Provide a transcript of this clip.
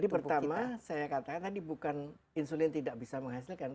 jadi pertama saya katakan tadi bukan insulin tidak bisa menghasilkan